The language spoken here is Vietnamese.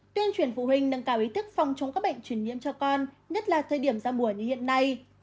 tuyên truyền phụ huynh nâng cao ý thức phòng chống các bệnh truyền nhiễm cho con nhất là thời điểm ra mùa như hiện nay